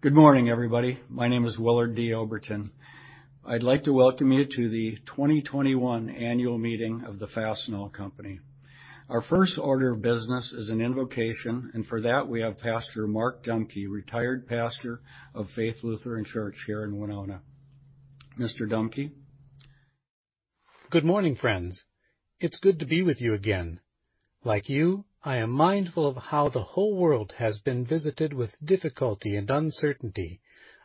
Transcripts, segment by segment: Good morning, everybody. My name is Willard D. Oberton. I'd like to welcome you to the 2021 annual meeting of the Fastenal Company. Our first order of business is an invocation, and for that, we have Pastor Mark Dumke, retired pastor of Faith Lutheran Church here in Winona. Mr. Dumke? Good morning, friends. It's good to be with you again. Like you, I am mindful of how the whole world has been visited with difficulty and uncertainty,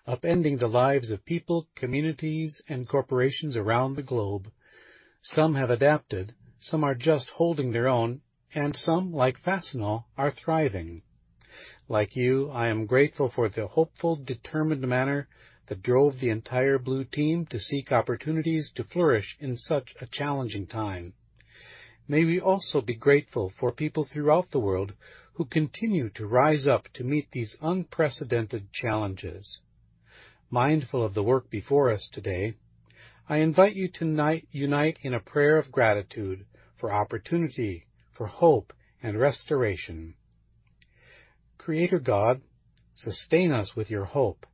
upending the lives of people, communities, and corporations around the globe. Some have adapted, some are just holding their own, and some, like Fastenal, are thriving. Like you, I am grateful for the hopeful, determined manner that drove the entire Blue Team to seek opportunities to flourish in such a challenging time. May we also be grateful for people throughout the world who continue to rise up to meet these unprecedented challenges. Mindful of the work before us today, I invite you to unite in a prayer of gratitude for opportunity, for hope and restoration. Creator God, sustain us with your hope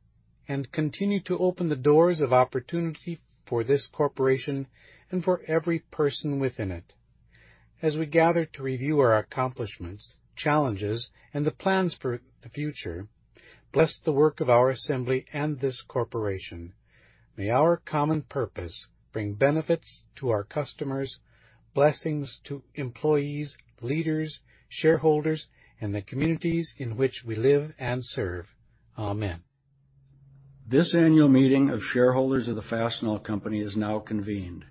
and continue to open the doors of opportunity for this corporation and for every person within it. As we gather to review our accomplishments, challenges, and the plans for the future, bless the work of our assembly and this corporation. May our common purpose bring benefits to our customers, blessings to employees, leaders, shareholders, and the communities in which we live and serve. Amen. This annual meeting of shareholders of the Fastenal Company is now convened.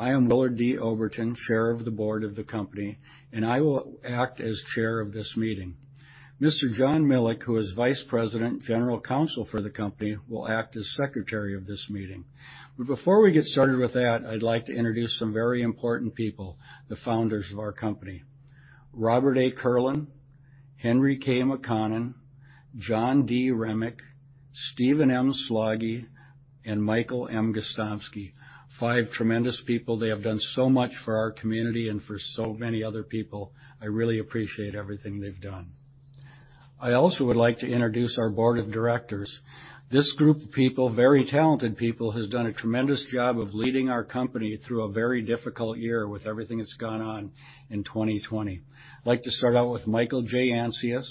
I am Willard D. Oberton, chair of the board of the company, and I will act as chair of this meeting. Mr. John Milek, who is vice president and general counsel for the company, will act as secretary of this meeting. Before we get started with that, I'd like to introduce some very important people, the founders of our company, Robert A. Kierlin, Henry K. McConnon, John D. Remick, Stephen M. Slaggie, and Michael M. Gostomski. Five tremendous people. They have done so much for our community and for so many other people. I really appreciate everything they've done. I also would like to introduce our board of directors. This group of people, very talented people, has done a tremendous job of leading our company through a very difficult year with everything that's gone on in 2020. I'd like to start out with Michael J. Ancius,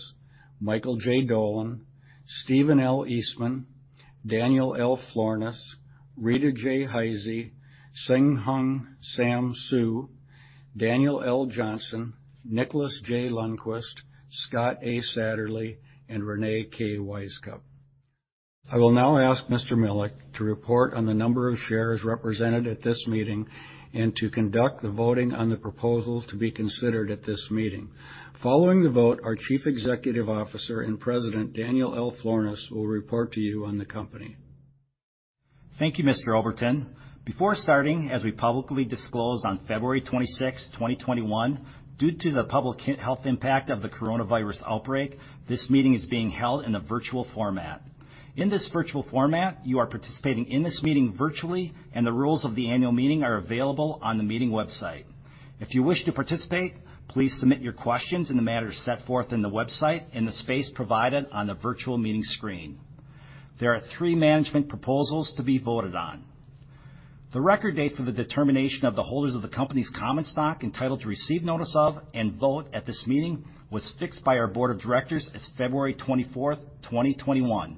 Michael J. Dolan, Stephen L. Eastman, Daniel L. Florness, Rita J. Heise, Hsenghung Sam Hsu, Daniel L. Johnson, Nicholas J. Lundquist, Scott A. Satterlee, and Reyne K. Wisecup. I will now ask Mr. Milek to report on the number of shares represented at this meeting and to conduct the voting on the proposals to be considered at this meeting. Following the vote, our Chief Executive Officer and President, Daniel L. Florness, will report to you on the company. Thank you, Mr. Oberton. Before starting, as we publicly disclosed on February 26, 2021, due to the public health impact of the coronavirus outbreak, this meeting is being held in a virtual format. In this virtual format, you are participating in this meeting virtually, and the rules of the annual meeting are available on the meeting website. If you wish to participate, please submit your questions in the manner set forth in the website in the space provided on the virtual meeting screen. There are three management proposals to be voted on. The record date for the determination of the holders of the company's common stock entitled to receive notice of and vote at this meeting was fixed by our board of directors as February 24th, 2021.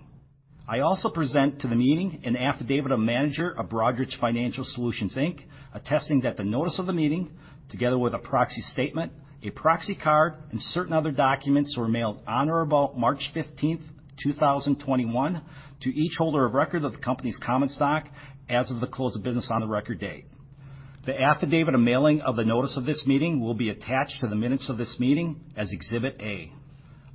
I also present to the meeting an affidavit of manager of Broadridge Financial Solutions, Inc., attesting that the notice of the meeting, together with a proxy statement, a proxy card, and certain other documents, were mailed on or about March 15th, 2021, to each holder of record of the company's common stock as of the close of business on the record date. The affidavit of mailing of the notice of this meeting will be attached to the minutes of this meeting as Exhibit A.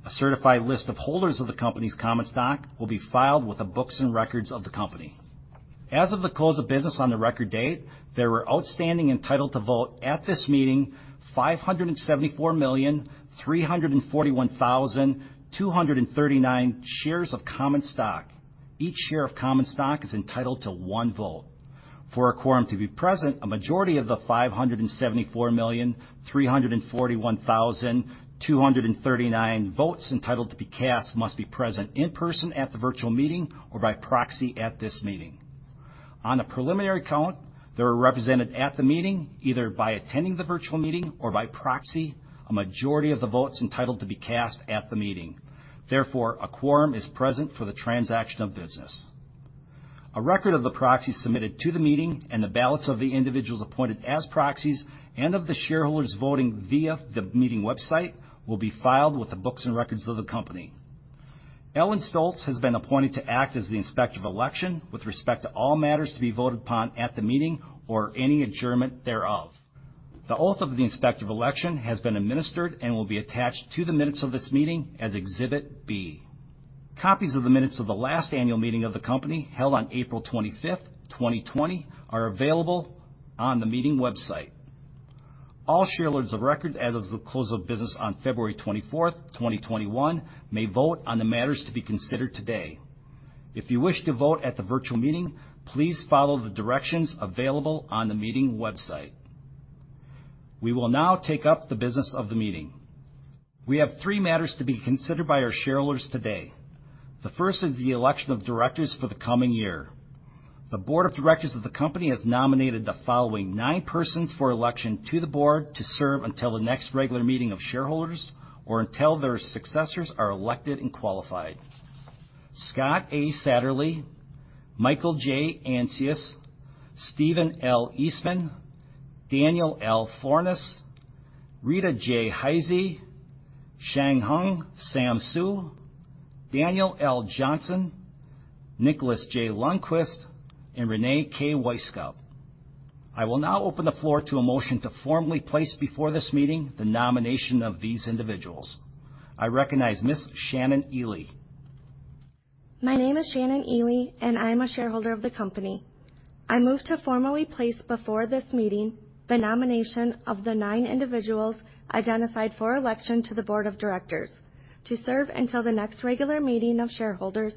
A certified list of holders of the company's common stock will be filed with the books and records of the company. As of the close of business on the record date, there were outstanding, entitled to vote at this meeting, 574,341,239 shares of common stock. Each share of common stock is entitled to one vote. For a quorum to be present, a majority of the 574,341,239 votes entitled to be cast must be present in person at the virtual meeting or by proxy at this meeting. On a preliminary count, they were represented at the meeting, either by attending the virtual meeting or by proxy, a majority of the votes entitled to be cast at the meeting. Therefore, a quorum is present for the transaction of business. A record of the proxies submitted to the meeting and the ballots of the individuals appointed as proxies and of the shareholders voting via the meeting website will be filed with the books and records of the company. Ellen Stolts has been appointed to act as the Inspector of Election with respect to all matters to be voted upon at the meeting or any adjournment thereof. The oath of the Inspector of Election has been administered and will be attached to the minutes of this meeting as Exhibit B. Copies of the minutes of the last annual meeting of the company, held on April 25th, 2020, are available on the meeting website. All shareholders of record as of the close of business on February 24th, 2021, may vote on the matters to be considered today. If you wish to vote at the virtual meeting, please follow the directions available on the meeting website. We will now take up the business of the meeting. We have three matters to be considered by our shareholders today. The first is the election of directors for the coming year. The board of directors of the company has nominated the following nine persons for election to the board to serve until the next regular meeting of shareholders, or until their successors are elected and qualified. Scott A. Satterlee, Michael J. Ancius, Stephen L. Eastman, Daniel L. Florness, Rita J. Heise, Hsenghung Sam Hsu, Daniel L. Johnson, Nicholas J. Lundquist, and Reyne K. Wisecup. I will now open the floor to a motion to formally place before this meeting the nomination of these individuals. I recognize Ms. Shannon Ely. My name is Shannon Ely, and I am a shareholder of the company. I move to formally place before this meeting the nomination of the nine individuals identified for election to the board of directors to serve until the next regular meeting of shareholders,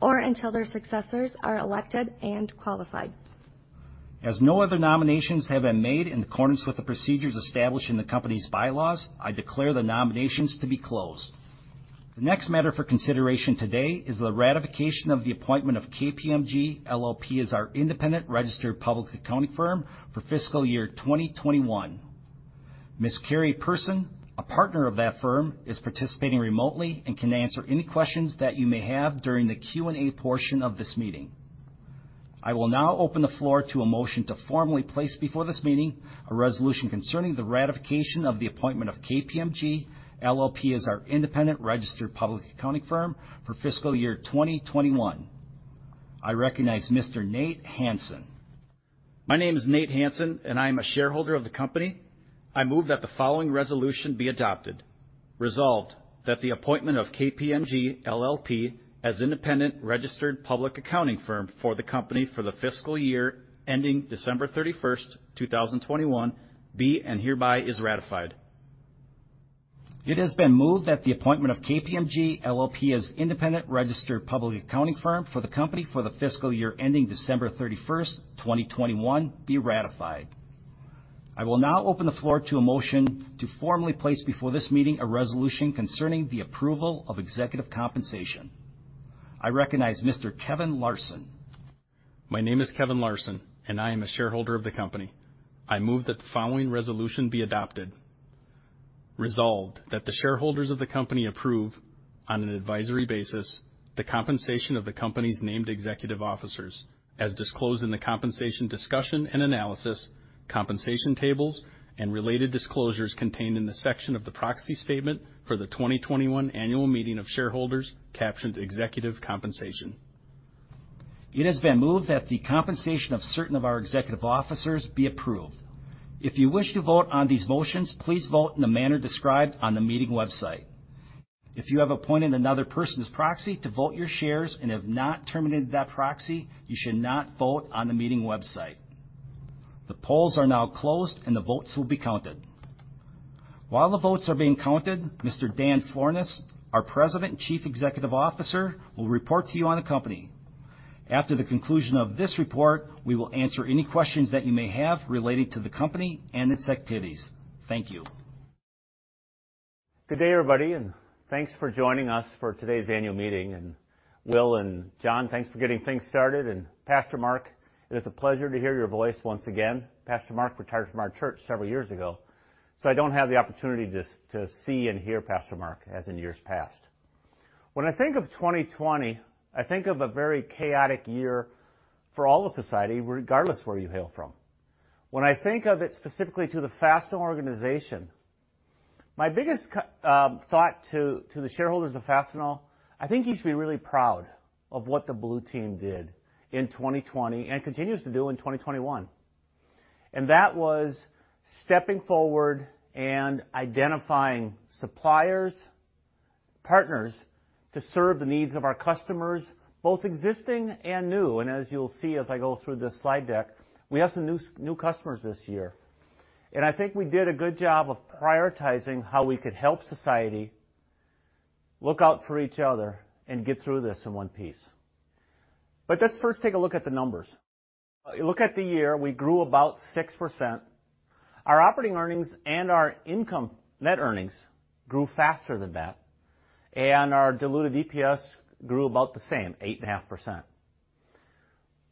or until their successors are elected and qualified. As no other nominations have been made in accordance with the procedures established in the company's bylaws, I declare the nominations to be closed. The next matter for consideration today is the ratification of the appointment of KPMG LLP as our independent registered public accounting firm for fiscal year 2021. Ms. Kari Person, a partner of that firm, is participating remotely and can answer any questions that you may have during the Q&A portion of this meeting. I will now open the floor to a motion to formally place before this meeting a resolution concerning the ratification of the appointment of KPMG LLP as our independent registered public accounting firm for fiscal year 2021. I recognize Mr. Nate Hansen. My name is Nate Hansen, and I am a shareholder of the company. I move that the following resolution be adopted. Resolved, that the appointment of KPMG LLP as independent registered public accounting firm for the company for the fiscal year ending December 31st, 2021 be and hereby is ratified. It has been moved that the appointment of KPMG LLP as independent registered public accounting firm for the company for the fiscal year ending December 31st, 2021 be ratified. I will now open the floor to a motion to formally place before this meeting a resolution concerning the approval of executive compensation. I recognize Mr. Kevin Larson. My name is Kevin Larson, I am a shareholder of the company. I move that the following resolution be adopted. Resolved, that the shareholders of the company approve, on an advisory basis, the compensation of the company's named executive officers as disclosed in the compensation discussion and analysis, compensation tables, and related disclosures contained in the section of the proxy statement for the 2021 annual meeting of shareholders captioned "Executive Compensation. It has been moved that the compensation of certain of our executive officers be approved. If you wish to vote on these motions, please vote in the manner described on the meeting website. If you have appointed another person as proxy to vote your shares and have not terminated that proxy, you should not vote on the meeting website. The polls are now closed. The votes will be counted. While the votes are being counted, Mr. Daniel L. Florness, our President and Chief Executive Officer, will report to you on the company. After the conclusion of this report, we will answer any questions that you may have related to the company and its activities. Thank you. Good day, everybody, thanks for joining us for today's annual meeting. Will and John, thanks for getting things started. Pastor Mark, it is a pleasure to hear your voice once again. Pastor Mark retired from our church several years ago, so I don't have the opportunity to see and hear Pastor Mark as in years past. When I think of 2020, I think of a very chaotic year for all of society, regardless where you hail from. When I think of it specifically to the Fastenal organization, my biggest thought to the shareholders of Fastenal, I think you should be really proud of what the Blue Team did in 2020 and continues to do in 2021. That was stepping forward and identifying suppliers, partners to serve the needs of our customers, both existing and new. As you'll see as I go through this slide deck, we have some new customers this year. I think we did a good job of prioritizing how we could help society look out for each other and get through this in one piece. Let's first take a look at the numbers. Look at the year. We grew about 6%. Our operating earnings and our income net earnings grew faster than that, and our diluted EPS grew about the same, 8.5%.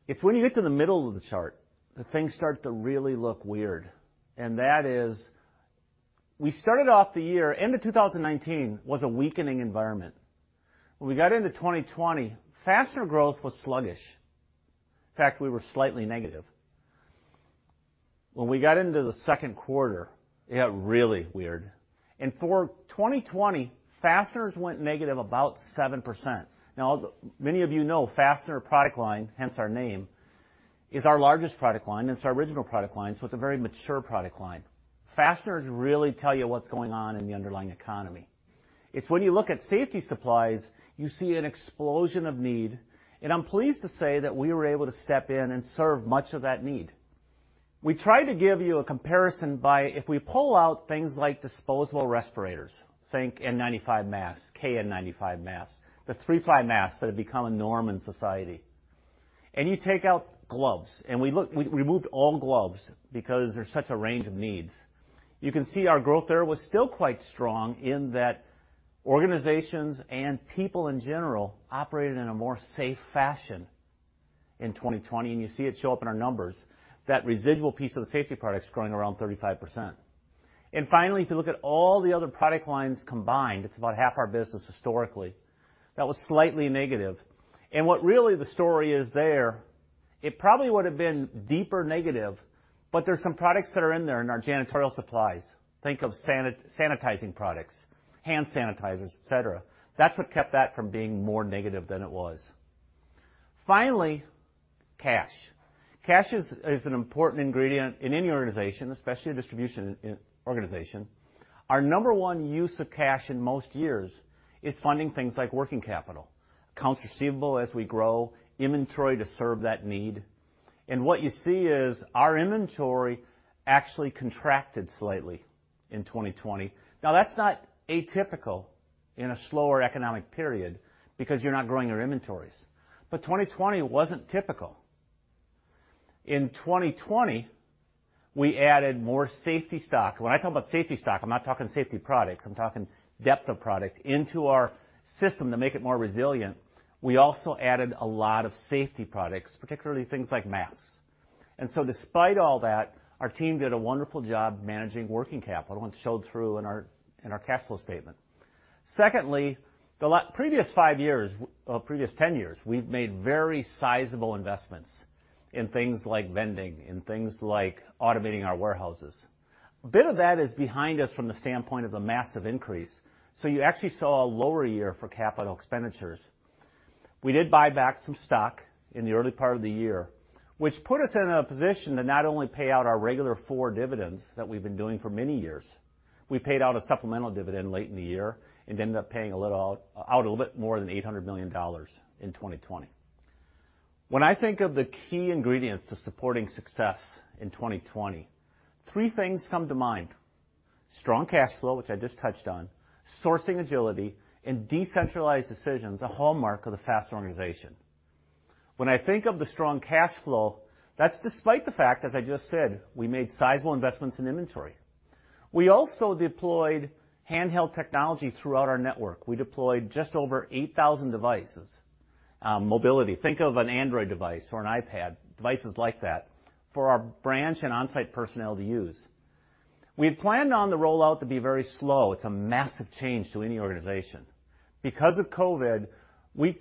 It's when you get to the middle of the chart that things start to really look weird. That is, we started off the year, end of 2019 was a weakening environment. When we got into 2020, fastener growth was sluggish. In fact, we were slightly negative. When we got into the second quarter, it got really weird. For 2020, fasteners went negative about 7%. Many of you know fastener product line, hence our name, is our largest product line, and it's our original product line, so it's a very mature product line. Fasteners really tell you what's going on in the underlying economy. It's when you look at safety supplies, you see an explosion of need, and I'm pleased to say that we were able to step in and serve much of that need. We tried to give you a comparison by if we pull out things like disposable respirators, think N95 masks, KN95 masks, the 3-Ply masks that have become a norm in society. You take out gloves, and we removed all gloves because there's such a range of needs. You can see our growth there was still quite strong in that organizations and people in general operated in a more safe fashion in 2020. You see it show up in our numbers. That residual piece of the safety supplies is growing around 35%. Finally, if you look at all the other product lines combined, it's about half our business historically. That was slightly negative. What really the story is there, it probably would've been deeper negative, but there's some products that are in there in our janitorial supplies. Think of sanitizing products, hand sanitizers, et cetera. That's what kept that from being more negative than it was. Finally, cash. Cash is an important ingredient in any organization, especially a distribution organization. Our number one use of cash in most years is funding things like working capital, accounts receivable as we grow, inventory to serve that need. What you see is our inventory actually contracted slightly in 2020. That's not atypical in a slower economic period because you're not growing your inventories. 2020 wasn't typical. In 2020, we added more safety stock. When I talk about safety stock, I'm not talking safety products, I'm talking depth of product into our system to make it more resilient. We also added a lot of safety products, particularly things like masks. Despite all that, our team did a wonderful job managing working capital, and it showed through in our cash flow statement. Secondly, the previous 10 years, we've made very sizable investments in things like vending, in things like automating our warehouses. A bit of that is behind us from the standpoint of the massive increase, so you actually saw a lower year for capital expenditures. We did buy back some stock in the early part of the year, which put us in a position to not only pay out our regular four dividends that we've been doing for many years, we paid out a supplemental dividend late in the year and ended up paying out a little bit more than $800 million in 2020. When I think of the key ingredients to supporting success in 2020, three things come to mind. Strong cash flow, which I just touched on, sourcing agility, and decentralized decisions, a hallmark of the Fastenal organization. When I think of the strong cash flow, that's despite the fact, as I just said, we made sizable investments in inventory. We also deployed handheld technology throughout our network. We deployed just over 8,000 devices. Mobility, think of an Android device or an iPad, devices like that, for our branch and on-site personnel to use. We had planned on the rollout to be very slow. It's a massive change to any organization. Because of COVID, we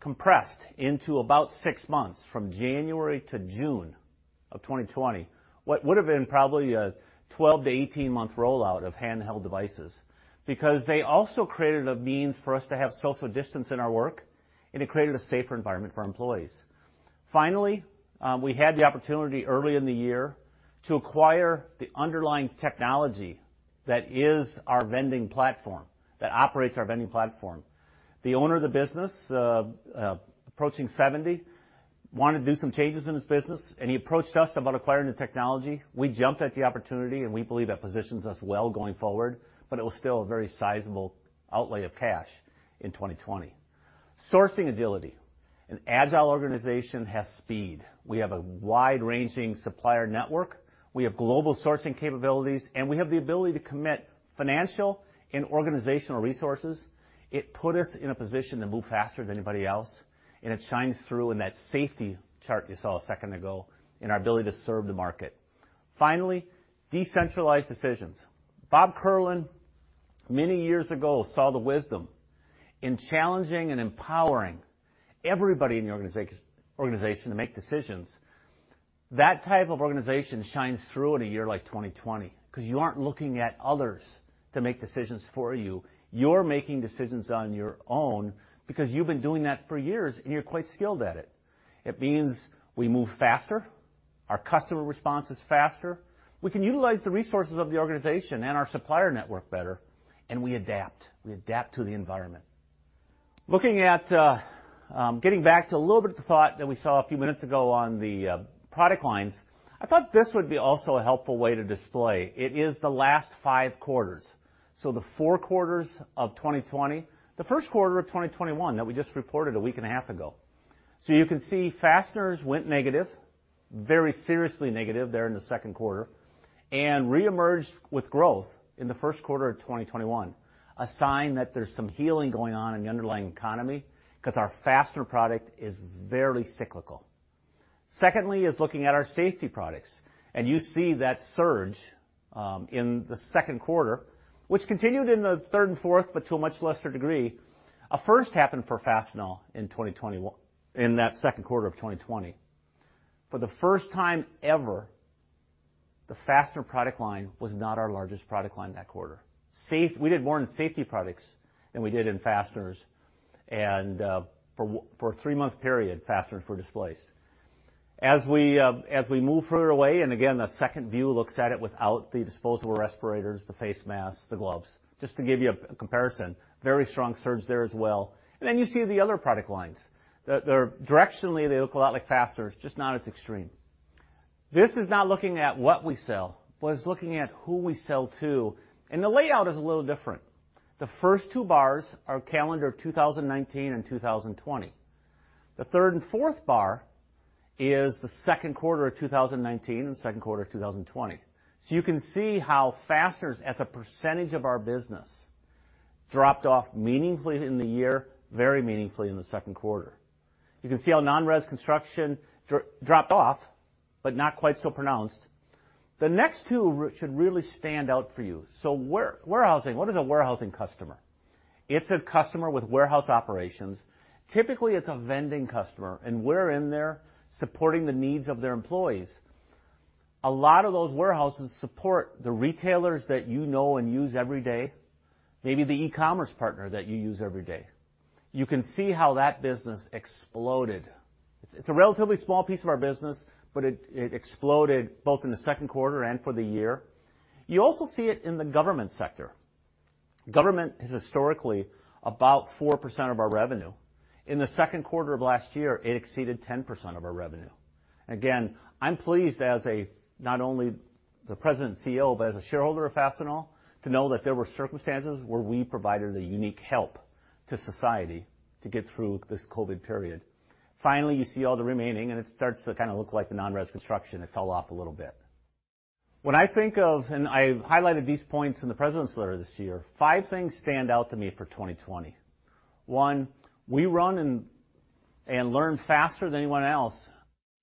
compressed into about six months, from January to June of 2020, what would've been probably a 12-18 month rollout of handheld devices because they also created a means for us to have social distance in our work and it created a safer environment for our employees. Finally, we had the opportunity early in the year to acquire the underlying technology that is our vending platform, that operates our vending platform. The owner of the business, approaching 70, wanted to do some changes in his business, and he approached us about acquiring the technology. We jumped at the opportunity. We believe that positions us well going forward. It was still a very sizable outlay of cash in 2020. Sourcing agility. An agile organization has speed. We have a wide-ranging supplier network, we have global sourcing capabilities. We have the ability to commit financial and organizational resources. It put us in a position to move faster than anybody else. It shines through in that safety chart you saw a second ago in our ability to serve the market. Finally, decentralized decisions. Bob Kierlin, many years ago, saw the wisdom in challenging and empowering everybody in the organization to make decisions. That type of organization shines through in a year like 2020 because you aren't looking at others to make decisions for you. You're making decisions on your own because you've been doing that for years. You're quite skilled at it. It means we move faster, our customer response is faster. We can utilize the resources of the organization and our supplier network better, and we adapt. We adapt to the environment. Getting back to a little bit of the thought that we saw a few minutes ago on the product lines, I thought this would be also a helpful way to display. It is the last five quarters. The four quarters of 2020, the first quarter of 2021 that we just reported a week and a half ago. You can see fasteners went negative, very seriously negative there in the second quarter, and reemerged with growth in the first quarter of 2021, a sign that there's some healing going on in the underlying economy because our fastener product is very cyclical. Secondly is looking at our safety products, and you see that surge in the second quarter, which continued in the third and fourth but to a much lesser degree. A first happened for Fastenal in that second quarter of 2020. For the first time ever, the fastener product line was not our largest product line that quarter. We did more in safety products than we did in fasteners. For a three-month period, fasteners were displaced. As we move further away, and again, the second view looks at it without the disposable respirators, the face masks, the gloves, just to give you a comparison. Very strong surge there as well. Then you see the other product lines. Directionally, they look a lot like fasteners, just not as extreme. This is not looking at what we sell, but it's looking at who we sell to, and the layout is a little different. The first two bars are calendar 2019 and 2020. The third and fourth bar is the second quarter of 2019 and second quarter of 2020. You can see how fasteners as a percentage of our business dropped off meaningfully in the year, very meaningfully in the second quarter. You can see how non-res construction dropped off, but not quite so pronounced. The next two should really stand out for you. Warehousing. What is a warehousing customer? It's a customer with warehouse operations. Typically, it's a vending customer, and we're in there supporting the needs of their employees. A lot of those warehouses support the retailers that you know and use every day, maybe the e-commerce partner that you use every day. You can see how that business exploded. It's a relatively small piece of our business, but it exploded both in the second quarter and for the year. You also see it in the government sector. Government is historically about 4% of our revenue. In the second quarter of last year, it exceeded 10% of our revenue. Again, I'm pleased as not only the president and CEO, but as a shareholder of Fastenal, to know that there were circumstances where we provided a unique help to society to get through this COVID period. Finally, you see all the remaining, and it starts to kind of look like the non-res construction. It fell off a little bit. When I think of, and I highlighted these points in the president's letter this year, five things stand out to me for 2020. One, we run and learn faster than anyone else.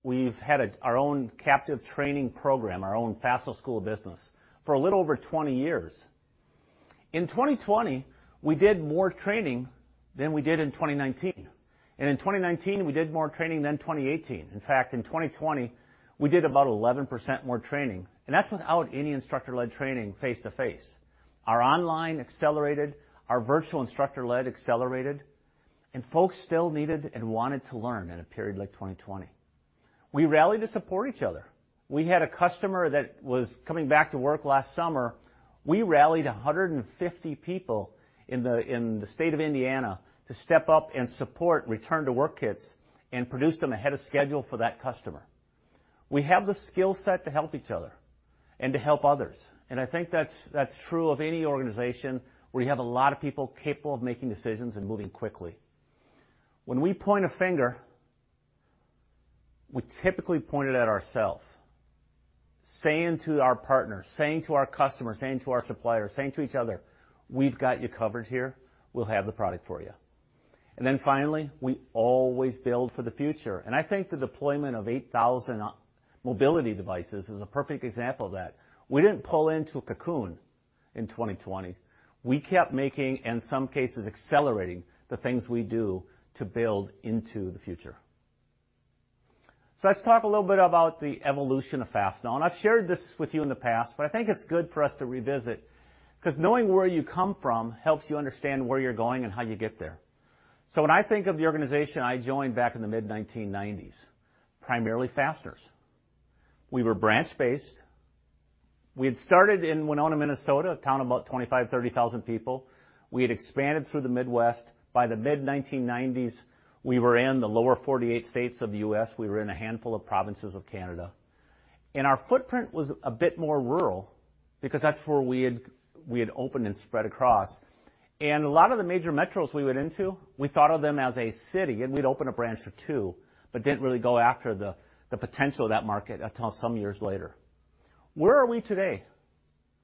We've had our own captive training program, our own Fastenal School of Business, for a little over 20 years. In 2020, we did more training than we did in 2019. In 2019, we did more training than 2018. In fact, in 2020, we did about 11% more training, and that's without any instructor-led training face-to-face. Our online accelerated, our virtual instructor-led accelerated, and folks still needed and wanted to learn in a period like 2020. We rallied to support each other. We had a customer that was coming back to work last summer. We rallied 150 people in the state of Indiana to step up and support return-to-work kits and produce them ahead of schedule for that customer. We have the skill set to help each other and to help others. I think that's true of any organization where you have a lot of people capable of making decisions and moving quickly. When we point a finger, we typically point it at ourselves, saying to our partners, saying to our customers, saying to our suppliers, saying to each other, "We've got you covered here. We'll have the product for you." Finally, we always build for the future. I think the deployment of 8,000 mobility devices is a perfect example of that. We didn't pull into a cocoon in 2020. We kept making, in some cases, accelerating the things we do to build into the future. Let's talk a little bit about the evolution of Fastenal. I've shared this with you in the past, but I think it's good for us to revisit, because knowing where you come from helps you understand where you're going and how you get there. When I think of the organization I joined back in the mid-1990s, primarily fasteners, we were branch-based. We had started in Winona, Minnesota, a town of about 25,000, 30,000 people. We had expanded through the Midwest. By the mid-1990s, we were in the lower 48 states of the U.S. We were in a handful of provinces of Canada. Our footprint was a bit more rural because that's where we had opened and spread across. A lot of the major metros we went into, we thought of them as a city, and we'd open a branch or two, but didn't really go after the potential of that market until some years later. Where are we today?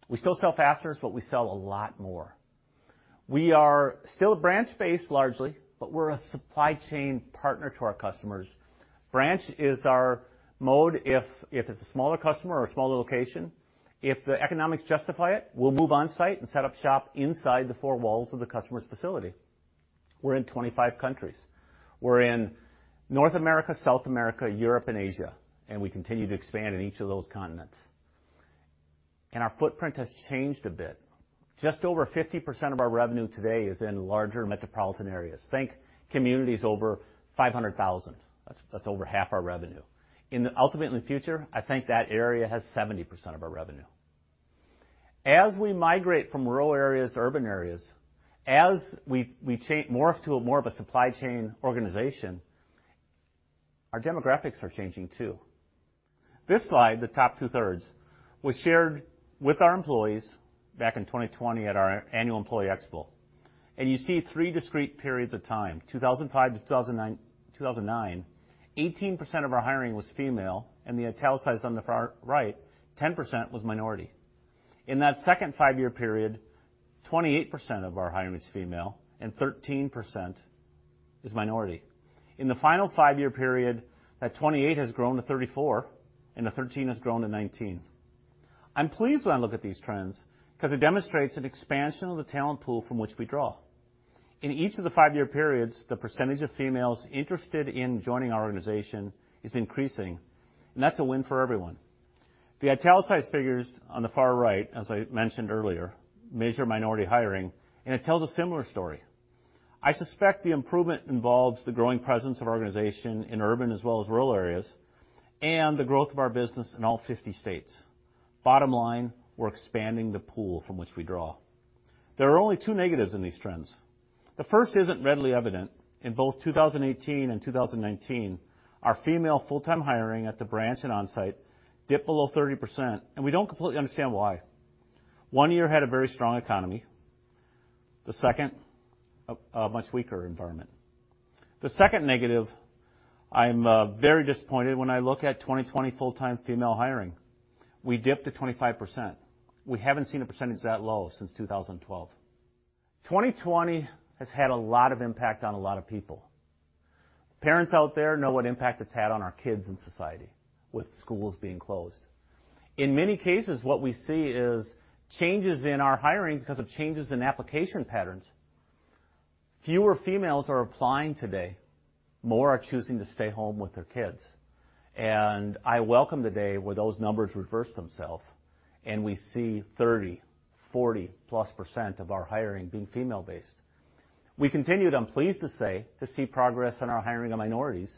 We still sell fasteners, but we sell a lot more. We are still branch-based largely, but we're a supply chain partner to our customers. Branch is our mode if it's a smaller customer or a smaller location. If the economics justify it, we'll move on-site and set up shop inside the four walls of the customer's facility. We're in 25 countries. We're in North America, South America, Europe, and Asia, and we continue to expand in each of those continents. Our footprint has changed a bit. Just over 50% of our revenue today is in larger metropolitan areas. Think communities over 500,000. That's over half our revenue. In the ultimately future, I think that area has 70% of our revenue. As we migrate from rural areas to urban areas, as we morph to more of a supply chain organization, our demographics are changing, too. This slide, the top 2/3, was shared with our employees back in 2020 at our annual employee expo. You see three discrete periods of time, 2005-2009, 18% of our hiring was female, and the italicized on the far right, 10% was minority. In that second five-year period, 28% of our hiring was female and 13% is minority. In the final five-year period, that 28 has grown to 34 and the 13 has grown to 19. I'm pleased when I look at these trends because it demonstrates an expansion of the talent pool from which we draw. In each of the five-year periods, the percentage of females interested in joining our organization is increasing, and that's a win for everyone. The italicized figures on the far right, as I mentioned earlier, measure minority hiring, and it tells a similar story. I suspect the improvement involves the growing presence of organizations in urban as well as rural areas, and the growth of our business in all 50 states. Bottom line, we're expanding the pool from which we draw. There are only two negatives in these trends. The first isn't readily evident. In both 2018 and 2019, our female full-time hiring at the branch and onsite dipped below 30%, and we don't completely understand why. One year had a very strong economy, the second, a much weaker environment. The second negative, I'm very disappointed when I look at 2020 full-time female hiring. We dipped to 25%. We haven't seen a percentage that low since 2012. 2020 has had a lot of impact on a lot of people. Parents out there know what impact it's had on our kids and society with schools being closed. In many cases, what we see is changes in our hiring because of changes in application patterns. Fewer females are applying today. More are choosing to stay home with their kids. I welcome the day where those numbers reverse themselves, and we see 30%, 40+% of our hiring being female based. We continued, I'm pleased to say, to see progress in our hiring of minorities,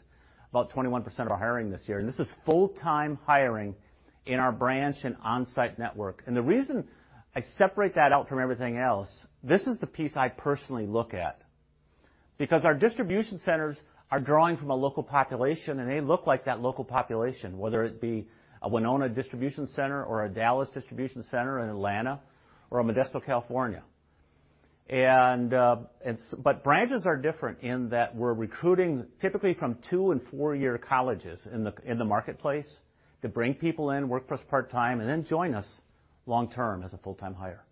about 21% of our hiring this year. This is full-time hiring in our branch and onsite network. The reason I separate that out from everything else, this is the piece I personally look at because our distribution centers are drawing from a local population, and they look like that local population, whether it be a Winona distribution center or a Dallas distribution center in Atlanta or a Modesto, California. Branches are different in that we're recruiting typically from two year and four year colleges in the marketplace to bring people in, work for us part-time, and then join us long-term as a full-time hire.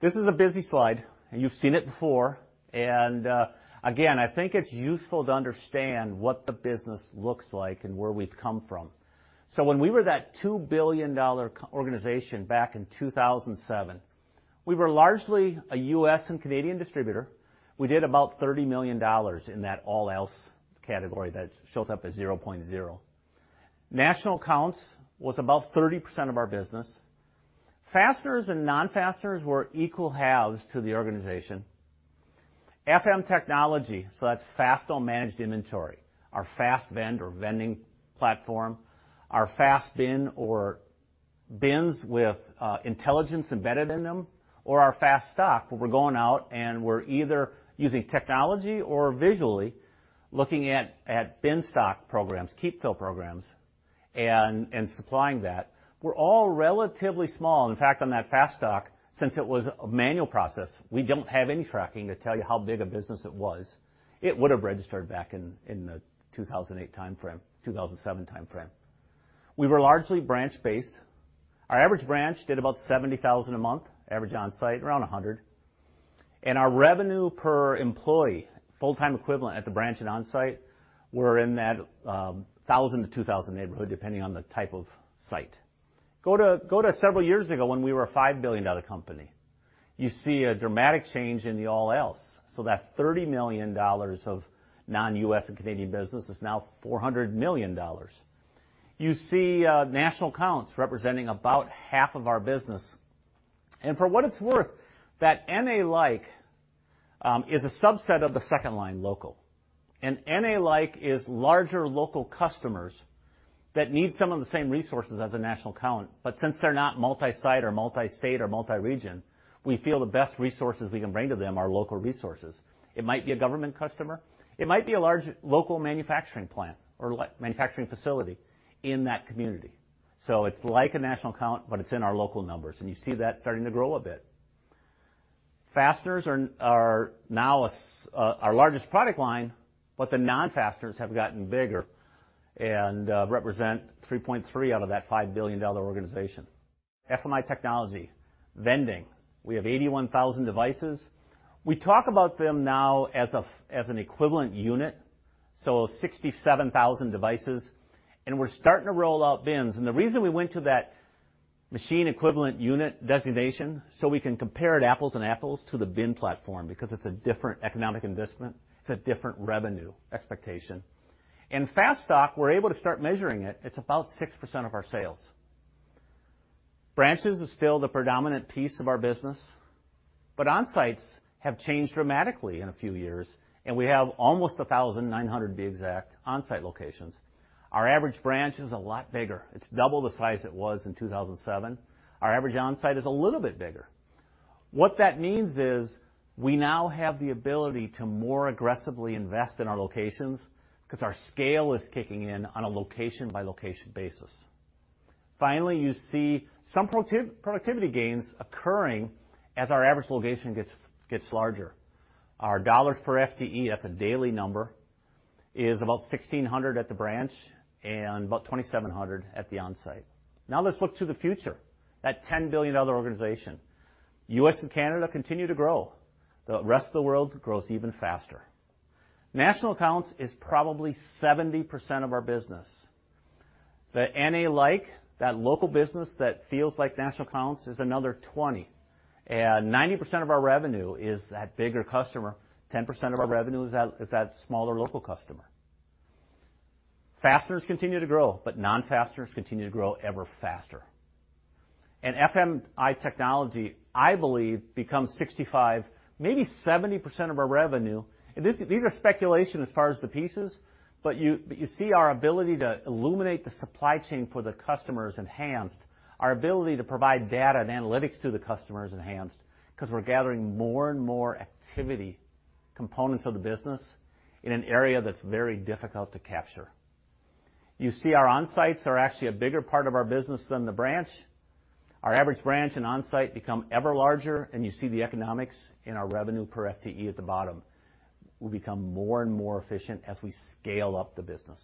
This is a busy slide, and you've seen it before. Again, I think it's useful to understand what the business looks like and where we've come from. When we were that $2 billion organization back in 2007, we were largely a U.S. and Canadian distributor. We did about $30 million in that all else category that shows up as 0.0. National accounts was about 30% of our business. fasteners and non-fasteners were equal halves to the organization. FMI technology, so that's Fastenal Managed Inventory, our FASTVend or vending platform, our FASTBin or bins with intelligence embedded in them, or our FASTStock, where we're going out and we're either using technology or visually looking at bin stock programs, keep fill programs, and supplying that, were all relatively small. In fact, on that FASTStock, since it was a manual process, we don't have any tracking to tell you how big a business it was. It would have registered back in the 2008 time frame, 2007 time frame. We were largely branch-based. Our average branch did about $70,000 a month, average onsite around $100. Our revenue per employee full-time equivalent at the branch and onsite were in that, $1,000-$2,000 neighborhood, depending on the type of site. Go to several years ago when we were a $5 billion company. You see a dramatic change in the all else. That $30 million of non-U.S. and Canadian business is now $400 million. You see national accounts representing about half of our business. For what it's worth, that NA-like, is a subset of the second line local. NA-like is larger local customers that need some of the same resources as a national account, but since they're not multi-site or multi-state or multi-region, we feel the best resources we can bring to them are local resources. It might be a government customer, it might be a large local manufacturing plant or manufacturing facility in that community. It's like a national account, but it's in our local numbers. You see that starting to grow a bit. Fasteners are now our largest product line. The non-fasteners have gotten bigger and represent 3.3 out of that $5 billion organization. FMI technology, vending. We have 81,000 devices. We talk about them now as an equivalent unit, 67,000 devices. We're starting to roll out bins. The reason we went to that machine equivalent unit designation, we can compare it apples and apples to the bin platform because it's a different economic investment, it's a different revenue expectation. FASTStock, we're able to start measuring it. It's about 6% of our sales. Branches is still the predominant piece of our business. But onsites have changed dramatically in a few years, we have almost 1,900, to be exact, onsite locations. Our average branch is a lot bigger. It's double the size it was in 2007. Our average onsite is a little bit bigger. What that means is we now have the ability to more aggressively invest in our locations because our scale is kicking in on a location-by-location basis. You see some productivity gains occurring as our average location gets larger. Our dollar per FTE, that's a daily number, is about $1,600 at the branch and about $2,700 at the onsite. Let's look to the future, that $10 billion organization. U.S. and Canada continue to grow. The rest of the world grows even faster. National accounts is probably 70% of our business. The NA-like, that local business that feels like national accounts, is another 20%. 90% of our revenue is that bigger customer, 10% of our revenue is that smaller local customer. Fasteners continue to grow, non-fasteners continue to grow ever faster. FMI technology, I believe, becomes 65%, maybe 70% of our revenue. These are speculation as far as the pieces, but you see our ability to illuminate the supply chain for the customer is enhanced. Our ability to provide data and analytics to the customer is enhanced because we're gathering more and more activity components of the business in an area that's very difficult to capture. You see our on-sites are actually a bigger part of our business than the branch. Our average branch and on-site become ever larger, and you see the economics in our revenue per FTE at the bottom will become more and more efficient as we scale up the business.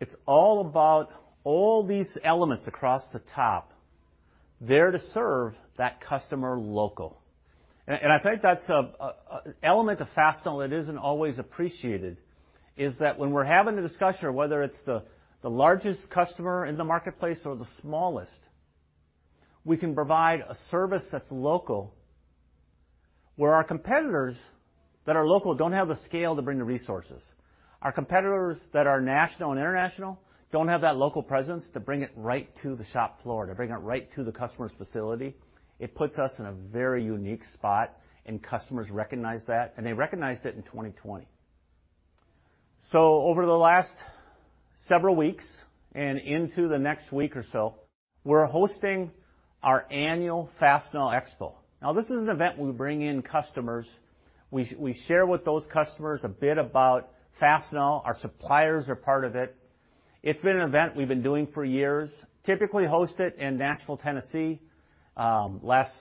It's all about all these elements across the top, there to serve that customer local. I think that's an element of Fastenal that isn't always appreciated, is that when we're having a discussion of whether it's the largest customer in the marketplace or the smallest, we can provide a service that's local, where our competitors that are local don't have the scale to bring the resources. Our competitors that are national and international don't have that local presence to bring it right to the shop floor, to bring it right to the customer's facility. It puts us in a very unique spot, and customers recognize that, and they recognized it in 2020. Over the last several weeks and into the next week or so, we're hosting our annual Fastenal Expo. Now this is an event we bring in customers. We share with those customers a bit about Fastenal. Our suppliers are part of it. It's been an event we've been doing for years, typically host it in Nashville, Tennessee. Last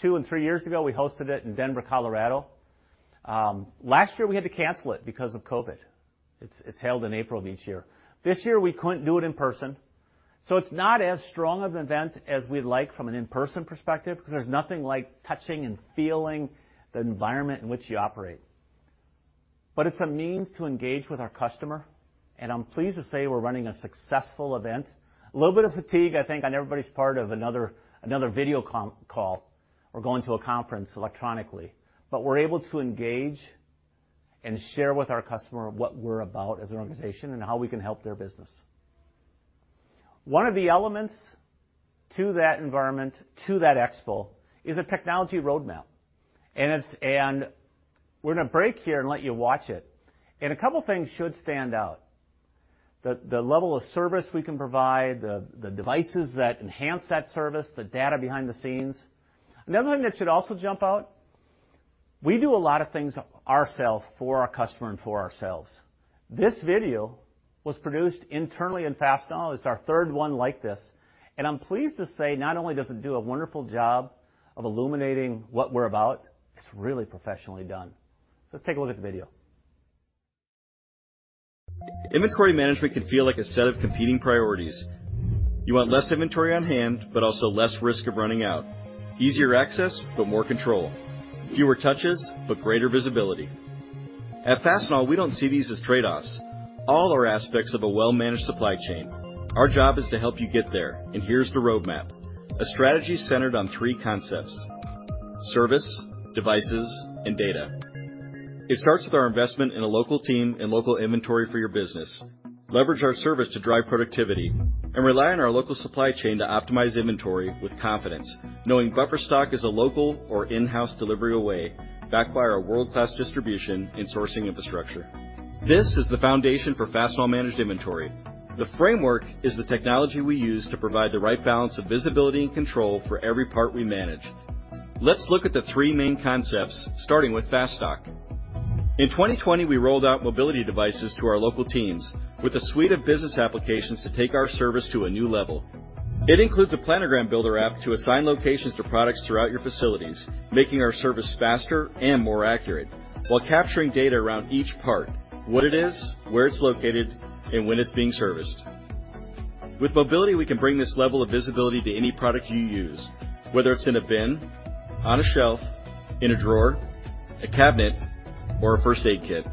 two and three years ago, we hosted it in Denver, Colorado. Last year we had to cancel it because of COVID. It's held in April of each year. This year we couldn't do it in person. It's not as strong of an event as we'd like from an in-person perspective, because there's nothing like touching and feeling the environment in which you operate. It's a means to engage with our customer, and I'm pleased to say we're running a successful event. A little bit of fatigue, I think, on everybody's part of another video call or going to a conference electronically. We're able to engage and share with our customer what we're about as an organization and how we can help their business. One of the elements to that environment, to that expo, is a technology roadmap. We're going to break here and let you watch it. A couple things should stand out. The level of service we can provide, the devices that enhance that service, the data behind the scenes. Another thing that should also jump out, we do a lot of things ourself for our customer and for ourselves. This video was produced internally in Fastenal. It's our third one like this. I'm pleased to say not only does it do a wonderful job of illuminating what we're about, it's really professionally done. Let's take a look at the video. Inventory management can feel like a set of competing priorities. You want less inventory on hand, but also less risk of running out. Easier access, but more control. Fewer touches, but greater visibility. At Fastenal, we don't see these as trade-offs. All are aspects of a well-managed supply chain. Our job is to help you get there, and here's the roadmap, a strategy centered on three concepts: service, devices, and data. It starts with our investment in a local team and local inventory for your business. Leverage our service to drive productivity and rely on our local supply chain to optimize inventory with confidence, knowing buffer stock is a local or in-house delivery away, backed by our world-class distribution and sourcing infrastructure. This is the foundation for Fastenal Managed Inventory. The framework is the technology we use to provide the right balance of visibility and control for every part we manage. Let's look at the three main concepts, starting with FASTStock. In 2020, we rolled out mobility devices to our local teams with a suite of business applications to take our service to a new level. It includes a planogram builder app to assign locations to products throughout your facilities, making our service faster and more accurate while capturing data around each part, what it is, where it's located, and when it's being serviced. With mobility, we can bring this level of visibility to any product you use, whether it's in a bin, on a shelf, in a drawer, a cabinet, or a first aid kit.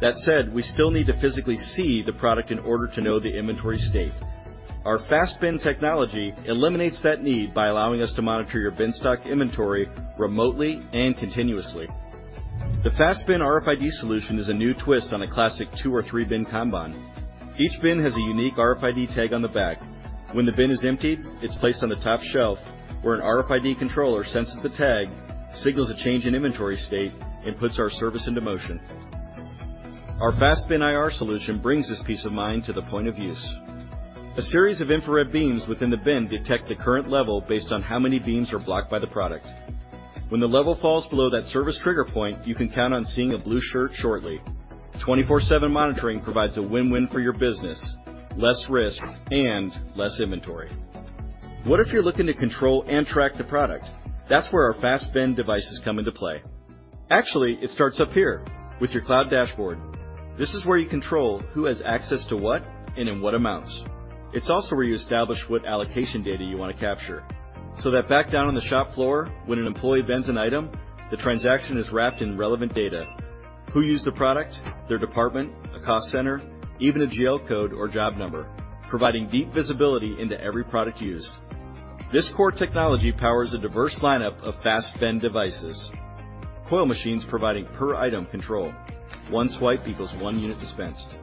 That said, we still need to physically see the product in order to know the inventory state. Our FASTBin technology eliminates that need by allowing us to monitor your bin stock inventory remotely and continuously. The FASTBin RFID solution is a new twist on a classic two or three-bin kanban. Each bin has a unique RFID tag on the back. When the bin is empty, it's placed on the top shelf, where an RFID controller senses the tag, signals a change in inventory state, and puts our service into motion. Our FASTBin IR solution brings this peace of mind to the point of use. A series of infrared beams within the bin detect the current level based on how many beams are blocked by the product. When the level falls below that service trigger point, you can count on seeing a blue shirt shortly. 24/7 monitoring provides a win-win for your business, less risk, and less inventory. What if you're looking to control and track the product? That's where our FASTBin devices come into play. Actually, it starts up here with your cloud dashboard. This is where you control who has access to what and in what amounts. It's also where you establish what allocation data you want to capture, so that back down on the shop floor, when an employee bins an item, the transaction is wrapped in relevant data. Who used the product, their department, a cost center, even a GL code or job number, providing deep visibility into every product used. This core technology powers a diverse lineup of FASTBin devices. Coil machines providing per item control. One swipe equals one unit dispensed.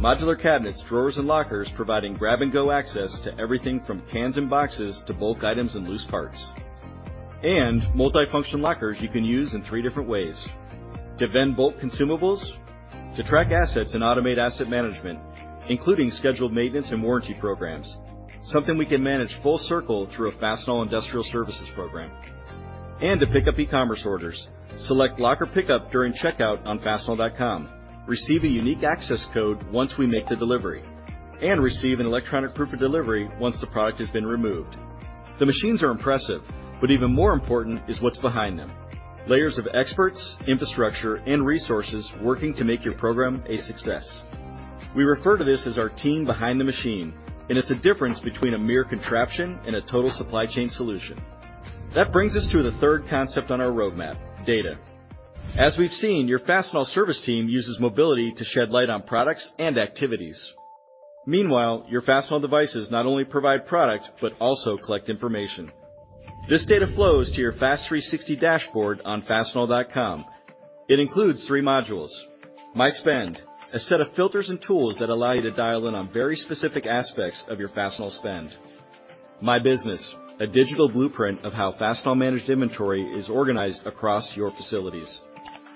Modular cabinets, drawers, and lockers providing grab-and-go access to everything from cans and boxes to bulk items and loose parts. Multifunction lockers you can use in three different ways. To vend bulk consumables, to track assets and automate asset management, including scheduled maintenance and warranty programs, something we can manage full circle through a Fastenal Industrial Services program, and to pick up e-commerce orders. Select locker pickup during checkout on fastenal.com. Receive a unique access code once we make the delivery, and receive an electronic proof of delivery once the product has been removed. The machines are impressive, even more important is what's behind them. Layers of experts, infrastructure, and resources working to make your program a success. We refer to this as our team behind the machine, it's the difference between a mere contraption and a total supply chain solution. That brings us to the third concept on our roadmap: data. As we've seen, your Fastenal service team uses mobility to shed light on products and activities. Meanwhile, your Fastenal devices not only provide product, but also collect information. This data flows to your FAST 360 dashboard on fastenal.com. It includes three modules. My Spend, a set of filters and tools that allow you to dial in on very specific aspects of your Fastenal spend. My Business, a digital blueprint of how Fastenal Managed Inventory is organized across your facilities,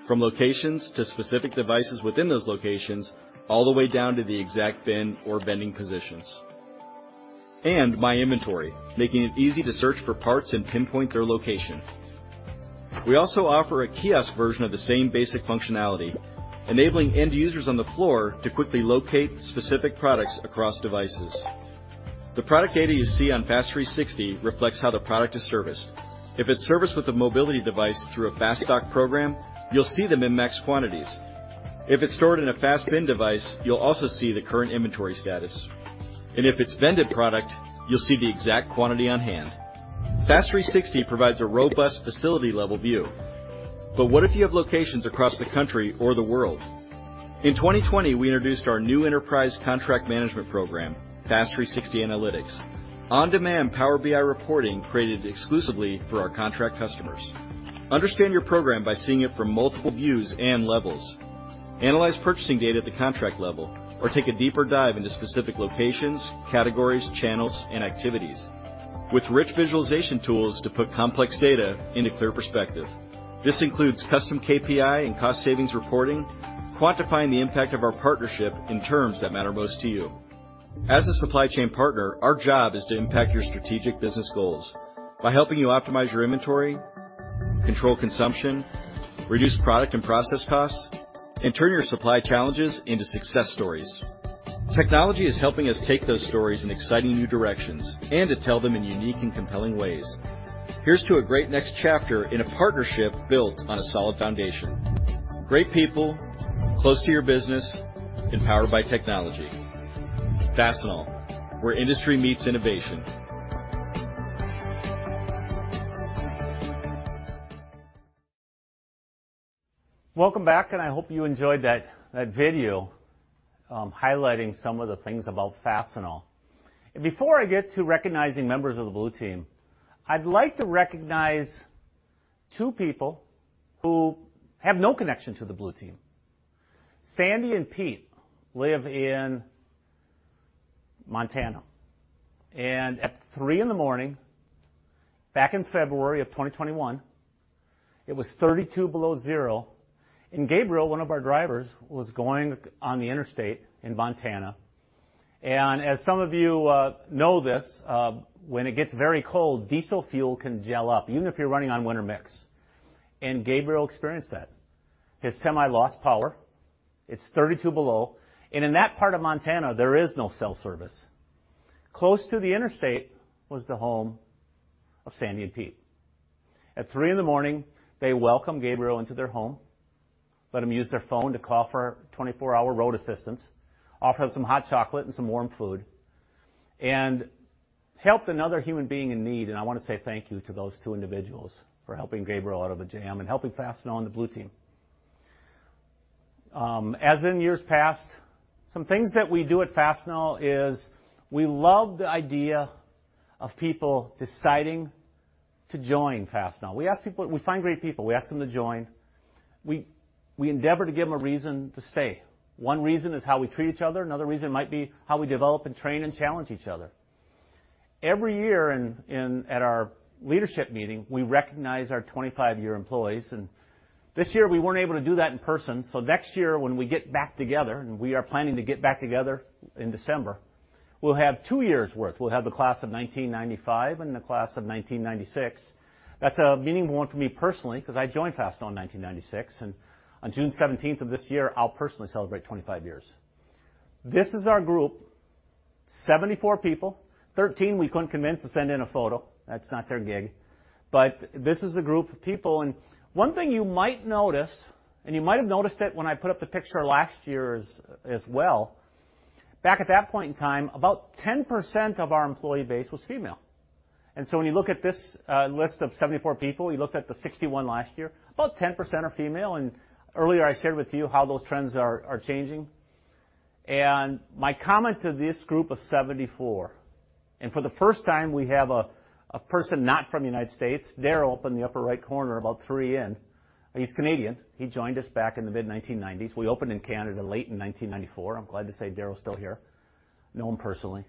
from locations to specific devices within those locations, all the way down to the exact bin or vending positions. My Inventory, making it easy to search for parts and pinpoint their location. We also offer a kiosk version of the same basic functionality, enabling end users on the floor to quickly locate specific products across devices. The product data you see on FAST 360 reflects how the product is serviced. If it's serviced with a mobility device through a FASTStock program, you'll see the min-max quantities. If it's stored in a FASTBin device, you'll also see the current inventory status. If it's vended product, you'll see the exact quantity on hand. FAST 360 provides a robust facility-level view. What if you have locations across the country or the world? In 2020, we introduced our new enterprise contract management program, FAST 360 Analytics, on-demand Power BI reporting created exclusively for our contract customers. Understand your program by seeing it from multiple views and levels. Analyze purchasing data at the contract level, or take a deeper dive into specific locations, categories, channels, and activities, with rich visualization tools to put complex data into clear perspective. This includes custom KPI and cost savings reporting, quantifying the impact of our partnership in terms that matter most to you. As a supply chain partner, our job is to impact your strategic business goals by helping you optimize your inventory, control consumption, reduce product and process costs, and turn your supply challenges into success stories. Technology is helping us take those stories in exciting new directions and to tell them in unique and compelling ways. Here's to a great next chapter in a partnership built on a solid foundation. Great people, close to your business, and powered by technology. Fastenal: where industry meets innovation. Welcome back, I hope you enjoyed that video highlighting some of the things about Fastenal. Before I get to recognizing members of the Blue Team, I'd like to recognize two people who have no connection to the Blue Team. Sandy and Pete live in Montana, and at 3:00 in the morning, back in February of 2021, it was 32 below zero, and Gabriel, one of our drivers, was going on the interstate in Montana. As some of you know this, when it gets very cold, diesel fuel can gel up, even if you're running on winter mix, and Gabriel experienced that. His semi lost power. It's 32 below, and in that part of Montana, there is no cell service. Close to the interstate was the home of Sandy and Pete. At 3:00 in the morning, they welcomed Gabriel into their home, let him use their phone to call for our 24-hour road assistance, offered him some hot chocolate and some warm food, and helped another human being in need. I want to say thank you to those two individuals for helping Gabriel out of a jam and helping Fastenal and the Blue Team. As in years past, some things that we do at Fastenal is we love the idea of people deciding to join Fastenal. We find great people. We ask them to join. We endeavor to give them a reason to stay. One reason is how we treat each other. Another reason might be how we develop and train and challenge each other. Every year at our leadership meeting, we recognize our 25-year employees, and this year, we weren't able to do that in person. Next year, when we get back together, and we are planning to get back together in December, we'll have two years' worth. We'll have the class of 1995 and the class of 1996. That's a meaningful one for me personally because I joined Fastenal in 1996, and on June 17th of this year, I'll personally celebrate 25 years. This is our group, 74 people, 13 we couldn't convince to send in a photo. That's not their gig. This is a group of people, and one thing you might notice, and you might have noticed it when I put up the picture last year as well, back at that point in time, about 10% of our employee base was female. When you look at this list of 74 people, you looked at the 61 last year, about 10% are female. Earlier I shared with you how those trends are changing. My comment to this group of 74, for the first time, we have a person not from the U.S. Darryl up in the upper right corner, about three in. He's Canadian. He joined us back in the mid 1990s. We opened in Canada late in 1994. I'm glad to say Darryl's still here. Know him personally.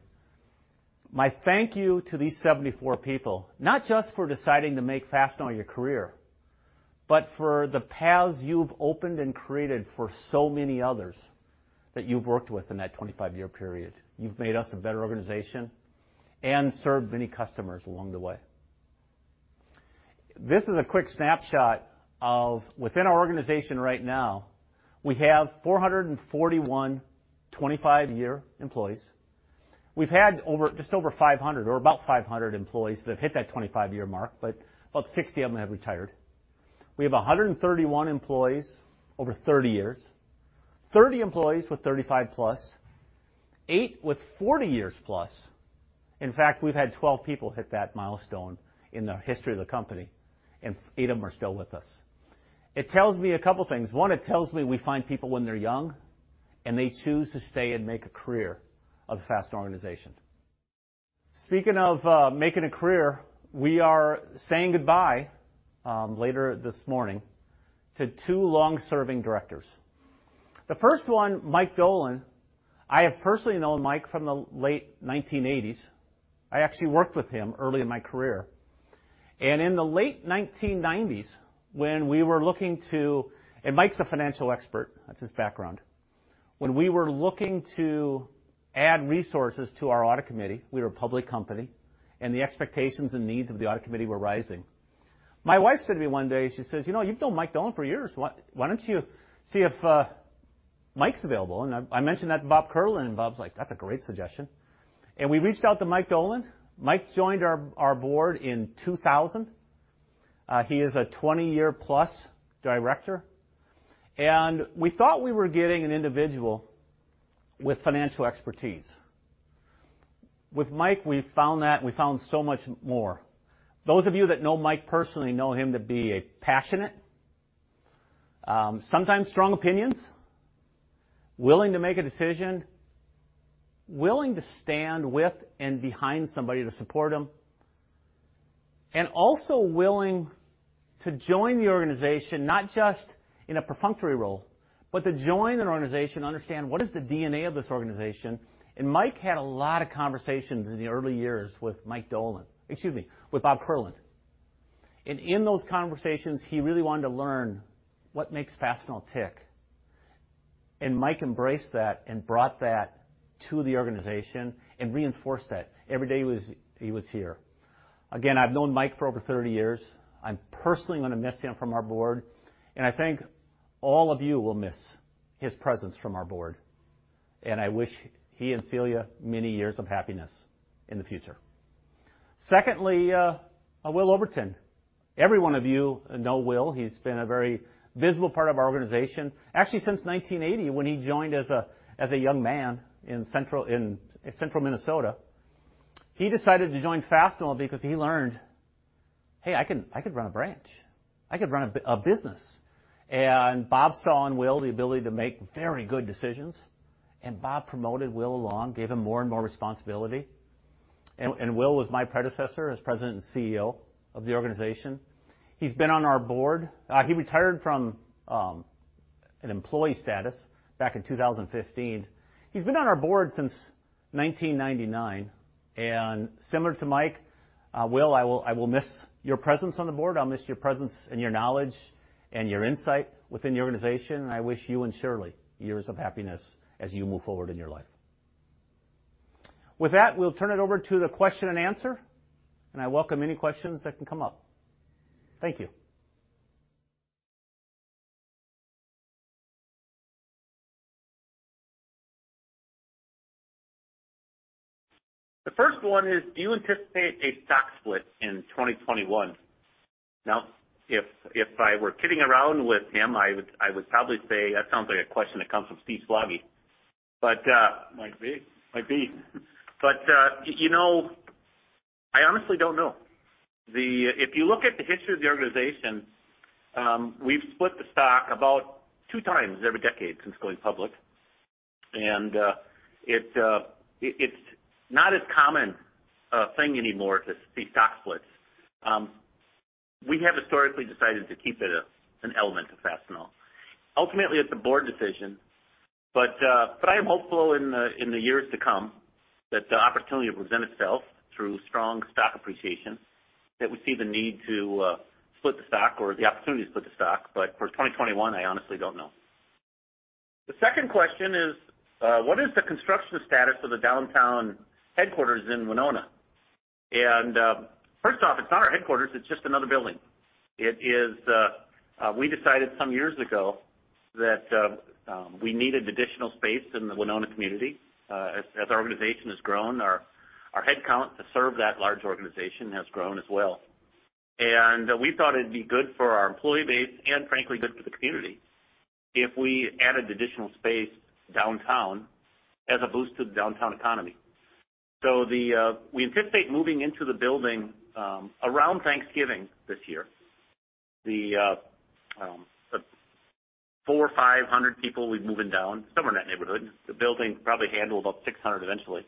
My thank you to these 74 people, not just for deciding to make Fastenal your career, but for the paths you've opened and created for so many others that you've worked with in that 25-year period. You've made us a better organization and served many customers along the way. This is a quick snapshot of within our organization right now, we have 441 25-year employees. We've had just over 500 or about 500 employees that have hit that 25-year mark, but about 60 of them have retired. We have 131 employees over 30 years, 30 employees with 35+, eight with 40 years-plus. In fact, we've had 12 people hit that milestone in the history of the company, and eight of them are still with us. It tells me a couple things. One, it tells me we find people when they're young, and they choose to stay and make a career of Fastenal organization. Speaking of making a career, we are saying goodbye later this morning to two long-serving directors. The first one, Mike Dolan. I have personally known Mike from the late 1980s. I actually worked with him early in my career. In the late 1990s, Mike's a financial expert, that's his background. When we were looking to add resources to our audit committee, we were a public company, and the expectations and needs of the audit committee were rising. My wife said to me one day, she says, "You've known Mike Dolan for years. Why don't you see if Mike's available?" I mentioned that to Bob Kierlin, and Bob's like, "That's a great suggestion." We reached out to Mike Dolan. Mike joined our board in 2000. He is a 20-year-plus director. We thought we were getting an individual with financial expertise. With Mike, we found that and we found so much more. Those of you that know Mike personally know him to be passionate, sometimes strong opinions, willing to make a decision, willing to stand with and behind somebody to support them, also willing to join the organization, not just in a perfunctory role, but to join an organization, understand what is the DNA of this organization. Mike had a lot of conversations in the early years with Michael J. Dolan, excuse me, with Bob Kierlin. In those conversations, he really wanted to learn what makes Fastenal tick. Mike embraced that and brought that to the organization and reinforced that every day he was here. Again, I've known Mike for over 30 years. I'm personally going to miss him from our board, and I think all of you will miss his presence from our board. I wish he and Celia many years of happiness in the future. Secondly, Will Oberton. Every one of you know Will. He's been a very visible part of our organization. Actually, since 1980, when he joined as a young man in Central Minnesota. He decided to join Fastenal because he learned, "Hey, I could run a branch. I could run a business." Bob saw in Will the ability to make very good decisions, and Bob promoted Will along, gave him more and more responsibility. Will was my predecessor as president and CEO of the organization. He's been on our board. He retired from an employee status back in 2015. He's been on our board since 1999. Similar to Mike, Will, I will miss your presence on the board. I'll miss your presence and your knowledge and your insight within the organization, and I wish you and Shirley years of happiness as you move forward in your life. With that, we'll turn it over to the question-and-answer, and I welcome any questions that can come up. Thank you. The first one is, do you anticipate a stock split in 2021? Now, if I were kidding around with him, I would probably say that sounds like a question that comes from Steve Slaggie. Might be. Might be. I honestly don't know. If you look at the history of the organization, we've split the stock about two times every decade since going public. It's not as common a thing anymore to see stock splits. We have historically decided to keep it as an element of Fastenal. Ultimately, it's a board decision. I am hopeful in the years to come that the opportunity will present itself through strong stock appreciation, that we see the need to split the stock or the opportunity to split the stock. For 2021, I honestly don't know. The second question is, what is the construction status of the downtown headquarters in Winona? First off, it's not our headquarters, it's just another building. We decided some years ago that we needed additional space in the Winona community. As our organization has grown, our headcount to serve that large organization has grown as well. We thought it'd be good for our employee base and frankly, good for the community if we added additional space downtown as a boost to the downtown economy. We anticipate moving into the building around Thanksgiving this year. The 400 or 500 people will be moving down, somewhere in that neighborhood. The building can probably handle about 600 eventually.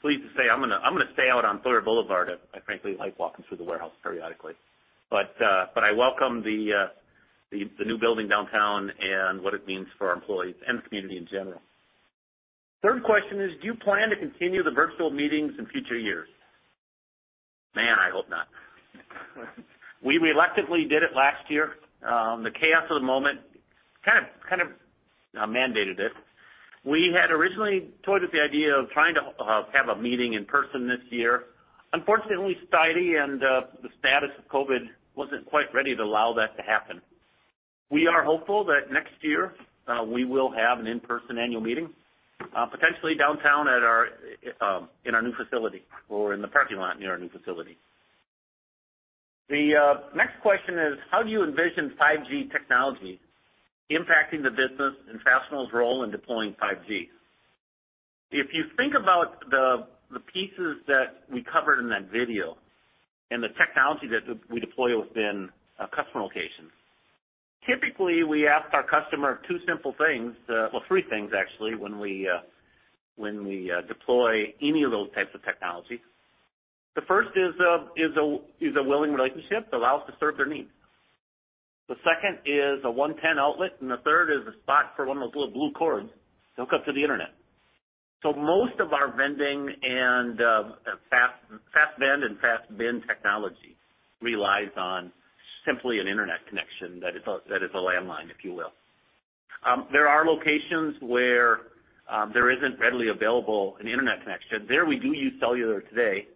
Pleased to say I'm going to stay out on Theurer Boulevard. I frankly like walking through the warehouse periodically. I welcome the new building downtown and what it means for our employees and the community in general. Third question is, "Do you plan to continue the virtual meetings in future years?" Man, I hope not. We reluctantly did it last year. The chaos of the moment kind of mandated it. We had originally toyed with the idea of trying to have a meeting in person this year. Unfortunately, society and the status of COVID wasn't quite ready to allow that to happen. We are hopeful that next year, we will have an in-person annual meeting, potentially downtown in our new facility, or in the parking lot near our new facility. The next question is, "How do you envision 5G technology impacting the business and Fastenal's role in deploying 5G?" If you think about the pieces that we covered in that video and the technology that we deploy within a customer location, typically, we ask our customer two simple things. Well, three things, actually, when we deploy any of those types of technologies. The first is a willing relationship to allow us to serve their needs. The second is a 110 outlet. The third is a spot for one of those little blue cords to hook up to the internet. Most of our vending and FASTVend and FASTBin technology relies on simply an internet connection that is a landline, if you will. There are locations where there isn't readily available an internet connection. There, we do use cellular today,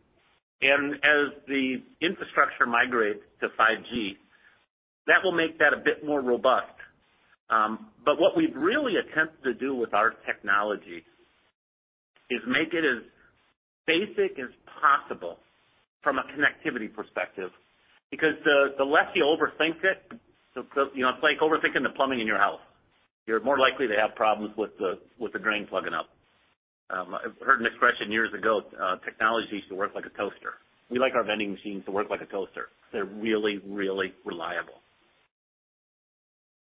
and as the infrastructure migrates to 5G, that will make that a bit more robust. What we've really attempted to do with our technology is make it as basic as possible from a connectivity perspective, because the less you overthink it's like overthinking the plumbing in your house. You're more likely to have problems with the drain plugging up. I heard an expression years ago, technology should work like a toaster. We like our vending machines to work like a toaster. They're really reliable.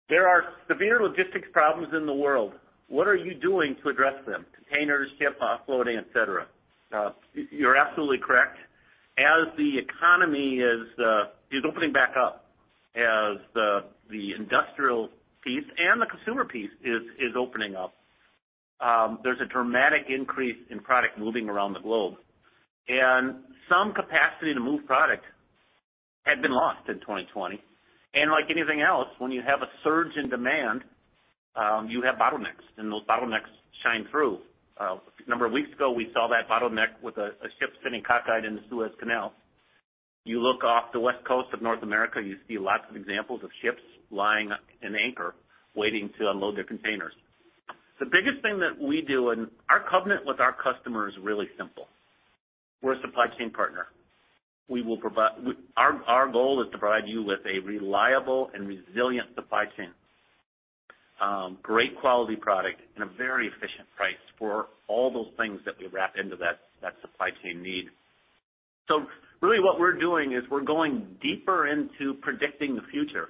There are severe logistics problems in the world. What are you doing to address them? Containers, ship offloading, et cetera. You're absolutely correct. As the economy is opening back up, as the industrial piece and the consumer piece is opening up, there's a dramatic increase in product moving around the globe. Some capacity to move product had been lost in 2020. Like anything else, when you have a surge in demand, you have bottlenecks, and those bottlenecks shine through. A number of weeks ago, we saw that bottleneck with a ship sitting cockeyed in the Suez Canal. You look off the West Coast of North America, you see lots of examples of ships lying in anchor, waiting to unload their containers. The biggest thing that we do Our covenant with our customer is really simple. We're a supply chain partner. Our goal is to provide you with a reliable and resilient supply chain, great quality product, and a very efficient price for all those things that we wrap into that supply chain need. Really what we're doing is we're going deeper into predicting the future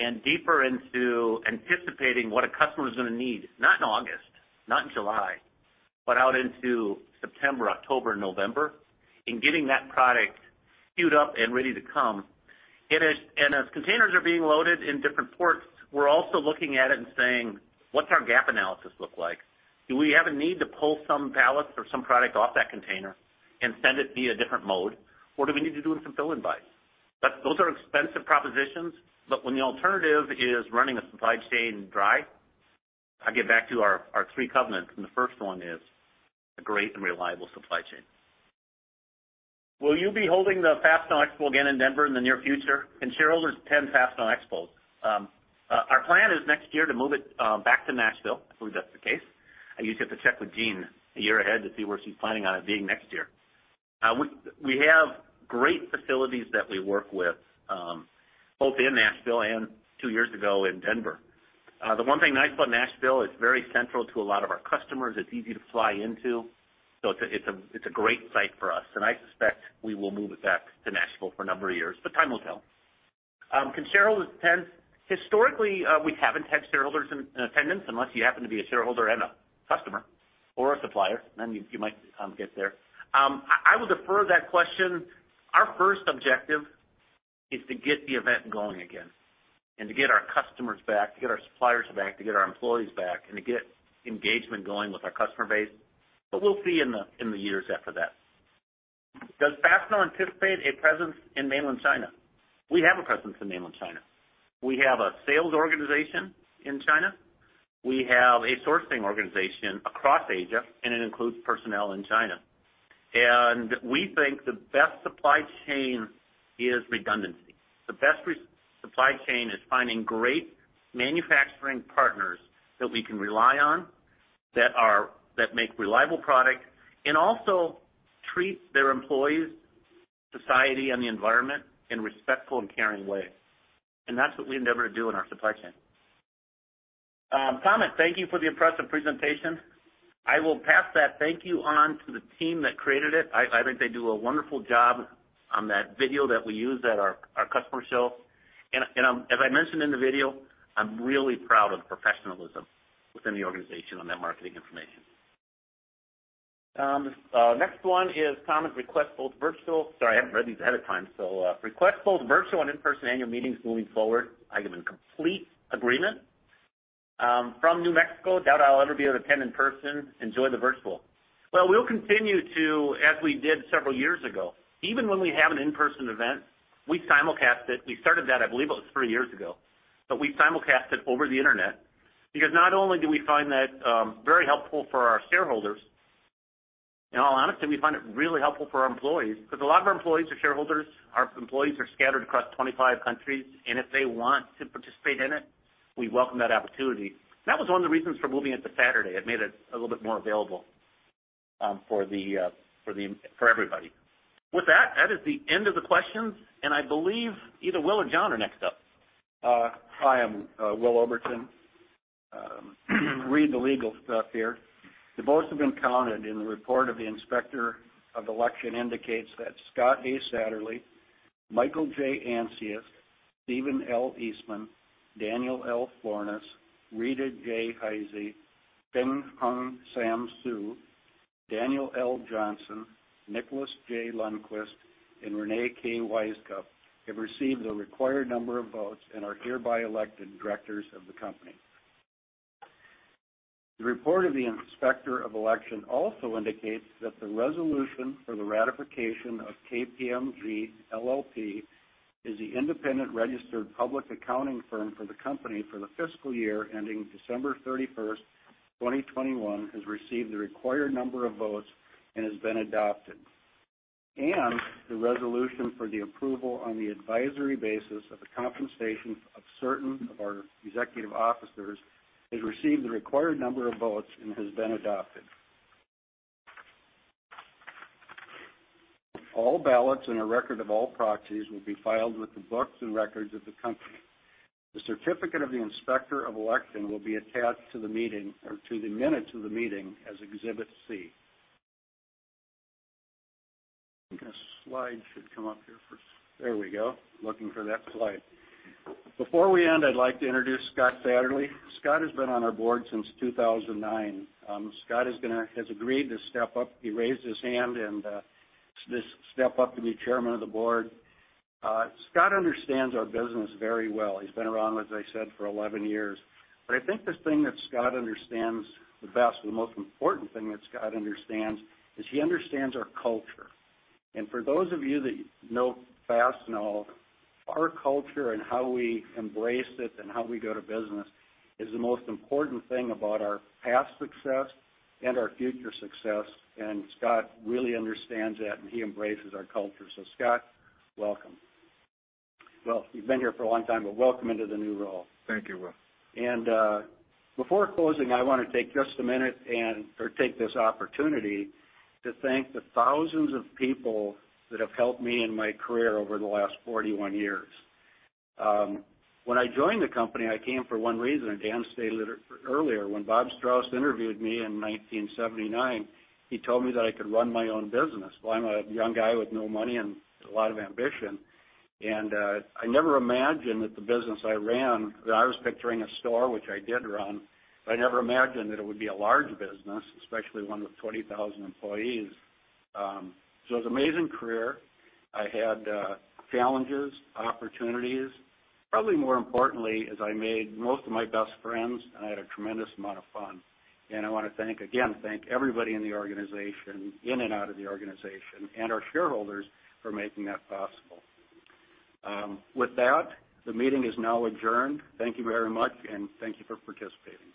and deeper into anticipating what a customer is going to need, not in August, not in July, but out into September, October, November, and getting that product queued up and ready to come. As containers are being loaded in different ports, we're also looking at it and saying, "What's our gap analysis look like? Do we have a need to pull some pallets or some product off that container and send it via a different mode, or do we need to do some fill-in buys?" Those are expensive propositions, but when the alternative is running a supply chain dry, I get back to our three covenants, and the first one is a great and reliable supply chain. Will you be holding the Fastenal Expo again in Denver in the near future? Can shareholders attend Fastenal Expos?" Our plan is next year to move it back to Nashville, if that's the case. I usually have to check with Jean a year ahead to see where she's planning on it being next year. We have great facilities that we work with, both in Nashville and two years ago in Denver. The one thing nice about Nashville, it's very central to a lot of our customers. It's easy to fly into. It's a great site for us, and I suspect we will move it back to Nashville for a number of years, but time will tell. "Can shareholders attend?" Historically, we haven't had shareholders in attendance, unless you happen to be a shareholder and a customer or a supplier. You might get there. I would defer that question. Our first objective is to get the event going again and to get our customers back, to get our suppliers back, to get our employees back, and to get engagement going with our customer base. We'll see in the years after that. "Does Fastenal anticipate a presence in Mainland China?" We have a presence in Mainland China. We have a sales organization in China. We have a sourcing organization across Asia, and it includes personnel in China. We think the best supply chain is redundancy. The best supply chain is finding great manufacturing partners that we can rely on, that make reliable product, and also treats their employees, society, and the environment in respectful and caring ways. That's what we endeavor to do in our supply chain. "Thomas, thank you for the impressive presentation." I will pass that thank you on to the team that created it. I think they do a wonderful job on that video that we use at our Fastenal Expo. As I mentioned in the video, I'm really proud of the professionalism within the organization on that marketing information. Next one is comment, request both virtual Sorry, I haven't read these ahead of time. Request both virtual and in-person annual meetings moving forward. I am in complete agreement. From New Mexico, doubt I'll ever be able to attend in person. Enjoy the virtual. Well, we'll continue to, as we did several years ago. Even when we have an in-person event, we simulcast it. We started that, I believe it was three years ago. We simulcast it over the internet because not only do we find that very helpful for our shareholders, in all honesty, we find it really helpful for our employees, because a lot of our employees are shareholders. Our employees are scattered across 25 countries, and if they want to participate in it, we welcome that opportunity. That was one of the reasons for moving it to Saturday. It made it a little bit more available for everybody. With that is the end of the questions, and I believe either Will or John are next up. Hi, I'm Will Oberton. Read the legal stuff here. The votes have been counted, and the report of the Inspector of Election indicates that Scott A. Satterlee, Michael J. Ancius, Stephen L. Eastman, Daniel L. Florness, Rita J. Heise, Hsenghung Sam Hsu, Daniel L. Johnson, Nicholas J. Lundquist, and Reyne K. Wisecup have received the required number of votes and are hereby elected directors of the company. The report of the Inspector of Election also indicates that the resolution for the ratification of KPMG LLP as the independent registered public accounting firm for the company for the fiscal year ending December 31st, 2021, has received the required number of votes and has been adopted. The resolution for the approval on the advisory basis of the compensation of certain of our executive officers has received the required number of votes and has been adopted. All ballots and a record of all proxies will be filed with the books and records of the company. The certificate of the Inspector of Election will be attached to the minutes of the meeting as Exhibit C. I think a slide should come up here first. There we go. Looking for that slide. Before we end, I'd like to introduce Scott A. Satterlee. Scott has been on our board since 2009. Scott has agreed to step up. He raised his hand and just step up to be Chairman of the Board. Scott understands our business very well. He's been around, as I said, for 11 years. I think the thing that Scott understands the best, or the most important thing that Scott understands, is he understands our culture. For those of you that know Fastenal, our culture and how we embrace it and how we go to business is the most important thing about our past success and our future success, and Scott really understands that, and he embraces our culture. Scott, welcome. Well, you've been here for a long time, but welcome into the new role. Thank you, Will. Before closing, I want to take just a minute or take this opportunity to thank the thousands of people that have helped me in my career over the last 41 years. When I joined the company, I came for one reason, and Dan stated it earlier. When Bob Kierlin interviewed me in 1979, he told me that I could run my own business. Well, I'm a young guy with no money and a lot of ambition. I never imagined that the business I ran, that I was picturing a store, which I did run, but I never imagined that it would be a large business, especially one with 20,000 employees. It was an amazing career. I had challenges, opportunities. Probably more importantly is I made most of my best friends, and I had a tremendous amount of fun. I want to, again, thank everybody in the organization, in and out of the organization, and our shareholders for making that possible. With that, the meeting is now adjourned. Thank you very much, and thank you for participating.